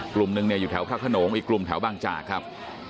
กลุ่มหนึ่งเนี่ยอยู่แถวพระขนงอีกกลุ่มแถวบางจากครับ